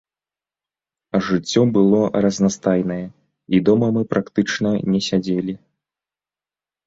Жыццё было разнастайнае, і дома мы практычна не сядзелі.